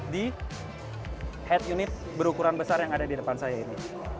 di head unit berukuran besar yang ada di depan saya ini